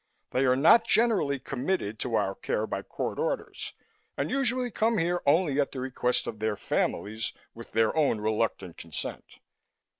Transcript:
They are not generally committed to our care by court orders and usually come here only at the request of their families with their own reluctant consent.